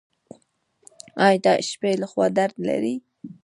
ایا د شپې لخوا درد لرئ؟